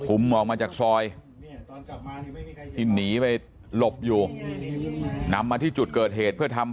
ออกมาจากซอยที่หนีไปหลบอยู่นำมาที่จุดเกิดเหตุเพื่อทำ